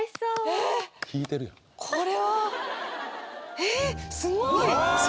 えっ⁉えっすごい！